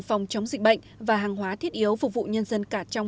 phòng chống dịch bệnh và hàng hóa thiết yếu phục vụ nhân dân cả trong